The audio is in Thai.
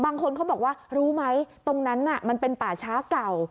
บางคนเขาบอกว่ารู้ไหมตรงนั้นน่ะมันเป็นป่าช้าเก่า